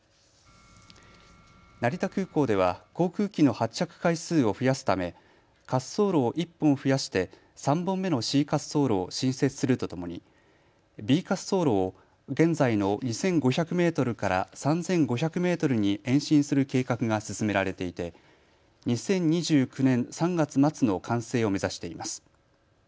成田空港では航空機の発着回数を増やすため滑走路を１本増やして３本目のＣ滑走路を新設するとともにＢ滑走路を現在の２５００メートルから３５００メートルに延伸する計画が進められていて２０２９年３月末の完成を目指しています。